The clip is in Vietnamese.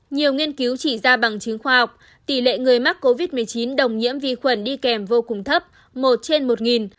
nhiều nghiên cứu chỉ ra bằng chứng khoa học tỷ lệ người mắc covid một mươi chín đồng nhiễm vi khuẩn đi kèm vô cùng thấp một trên một